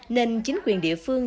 nên chính quyền địa phương